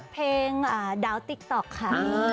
เพลงดาวติ๊กต๊อกค่ะ